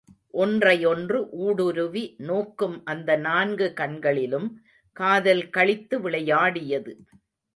ஒன்றையொன்று ஊடுருவி நோக்கும் அந்த நான்கு கண்களிலும் காதல் களித்து விளையாடியது.